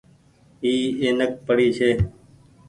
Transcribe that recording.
اي اينڪ پڙي ڇي۔